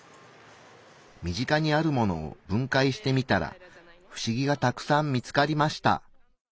身近にあるものを分解してみたらフシギがたくさん見つかりました。